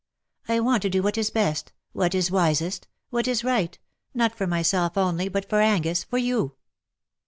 I want to do what is best — what is wisest — what is right — not for myself only, but for Angus, for you."